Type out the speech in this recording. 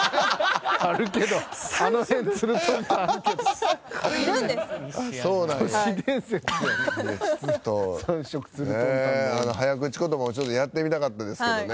あの早口言葉もちょっとやってみたかったですけどね。